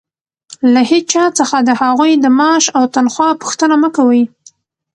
له هېچا څخه د هغوى د معاش او تنخوا پوښتنه مه کوئ!